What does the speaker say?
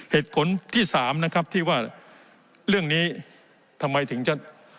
เหตุผลที่สามนะครับที่ว่าเรื่องนี้ทำไมถึงจะ